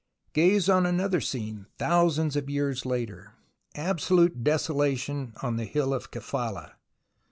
Gaze on another scene thousands of years later. Absolute desolation on the hill of Kephala.